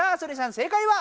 正解は？